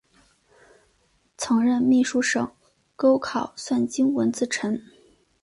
曾任秘书省钩考算经文字臣。